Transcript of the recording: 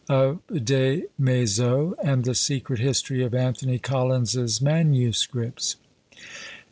OF DES MAIZEAUX, AND THE SECRET HISTORY OF ANTHONY COLLINS'S MANUSCRIPTS.